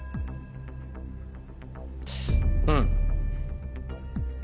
うん。